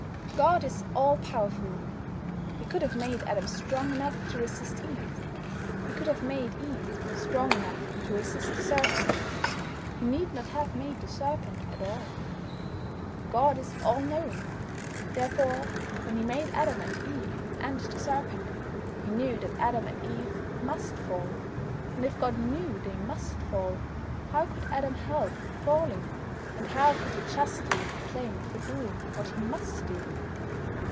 God is all powerful. He could have made Adam strong enough to resist Eve. He could have made Eve strong enough to resist the Serpent. He need not have made the Serpent at all. God is all knowing. Therefore, when He made Adam and Eve and the Serpent He knew that Adam and Eve must fall. And if God knew they must fall, how could Adam help falling, and how could he justly be blamed for doing what he must do?